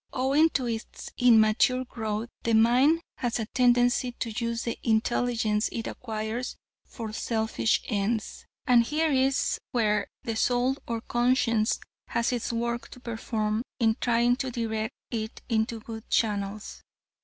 Owing to its immature growth, the mind has a tendency to use the intelligence it acquires for selfish ends. And here is where the soul or conscience has its work to perform, in trying to direct it into good channels.